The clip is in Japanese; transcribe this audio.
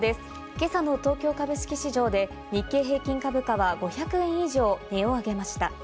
今朝の東京株式市場で日経平均株価は５００円以上、値を上げました。